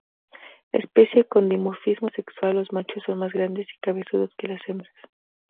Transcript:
Especie con dimorfismo sexual, los machos son más grandes y cabezudos que las hembras.